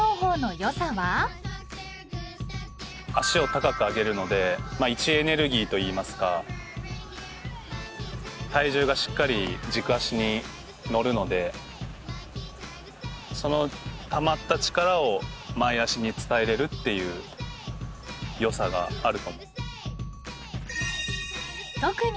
足を高く上げるので位置エネルギーといいますか体重がしっかり軸足に乗るのでそのたまった力を前足に伝えれるっていうよさがあると思う。